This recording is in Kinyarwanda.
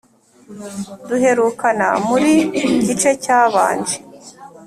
duherukana muri gice cyabanje